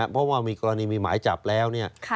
เพราะว่ามีกรณีมีหมายจับแล้วเนี่ย